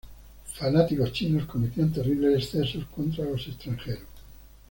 Fanáticos chinos cometían terribles excesos contra los extranjeros.